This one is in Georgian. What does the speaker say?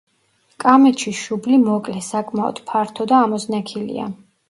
კამეჩის შუბლი მოკლე, საკმაოდ ფართო და ამოზნექილია.